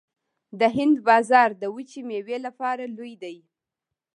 د هند بازار د وچې میوې لپاره لوی دی